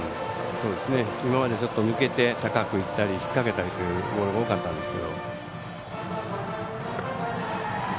今までちょっと抜けて高くいったり引っ掛けたりということが多かったんですが。